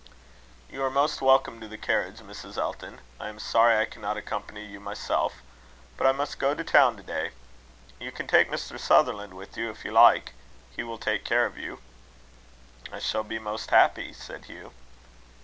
"You are most welcome to the carriage, Mrs. Elton. I am sorry I cannot accompany you myself; but I must go to town to day. You can take Mr. Sutherland with you, if you like. He will take care of you." "I shall be most happy," said Hugh.